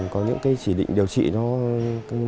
có những chỉ định điều trị